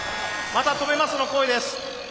また「止めます」の声です。